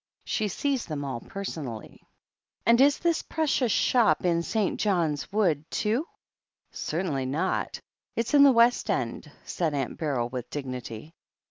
She sees them all personally." • "And is this precious shop in St. John's Wood, too?" "Certainly not. It's in the West End," said Aunt Beryl with dignity.